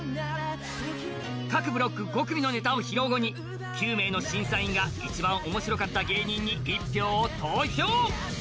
各ブロック５組のネタを披露後に９名の審査員が一番面白かった芸人に１票を投票。